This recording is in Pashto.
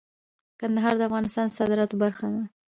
کندهار د افغانستان د صادراتو برخه ده.